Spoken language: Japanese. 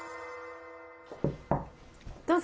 ・どうぞ。